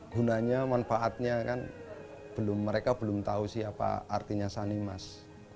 gunanya manfaatnya kan mereka belum tahu siapa artinya sanimas